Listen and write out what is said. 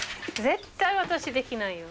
絶対私できないよ。